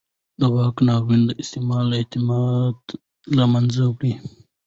د واک ناوړه استعمال اعتماد له منځه وړي